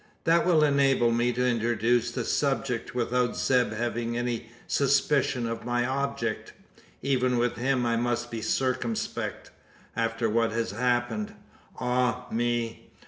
That will enable me to introduce the subject, without Zeb having any suspicion of my object. Even with him I must be circumspect after what has happened. Ah, me!